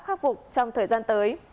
khắc phục trong thời gian tới